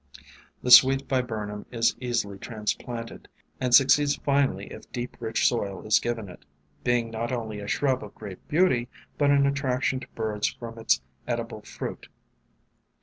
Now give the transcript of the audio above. The Sweet Viburnum is easily transplanted, and succeeds finely if deep, rich soil is given it, being not only a shrub of great beauty, but an attraction to birds from its edible fruit.